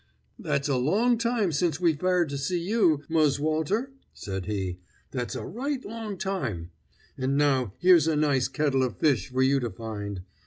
"That's a long time since we fared to see you, Mus' Walter," said he; "that's a right long time! And now here's a nice kettle of fish for you to find!